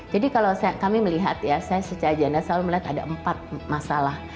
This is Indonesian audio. jadi kalau kami melihat ya saya secara general selalu melihat ada empat masalah